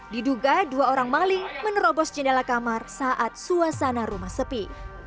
diduga dua orang maling menerobos jendela kamar saat suasana rumah sepi